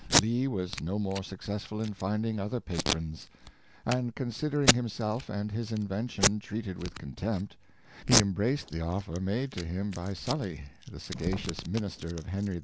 Lee was no more successful in finding other patrons; and, considering himself and his invention treated with contempt, he em braced the offer made to him by Sully, the sagacious minister of Henry IV.